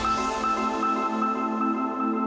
โปรดติดตามตอนต่อไป